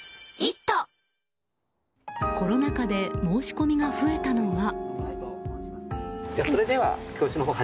コロナ禍で申し込みが増えたのが。